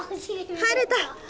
入れた。